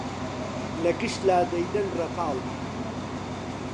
لە گشت لا دەیدەن ڕەپاڵ